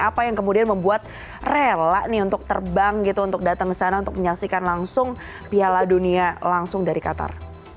apa yang kemudian membuat rela nih untuk terbang gitu untuk datang ke sana untuk menyaksikan langsung piala dunia langsung dari qatar